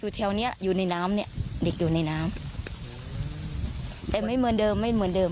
แถวเนี้ยอยู่ในน้ำเนี่ยเด็กอยู่ในน้ำแต่ไม่เหมือนเดิมไม่เหมือนเดิม